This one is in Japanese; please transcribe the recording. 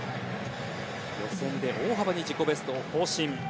予選で大幅に自己ベストを更新。